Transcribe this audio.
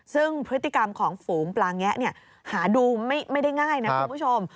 ซึ่งพฤติกรรมของฝูงปลาแงะหาดูไม่ได้ง่ายนะคุณผู้ชม